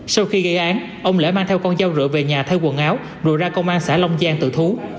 sau khi gây án ông lễ mang theo con dao rượu về nhà theo quần áo rồi ra công an xã long giang tự thú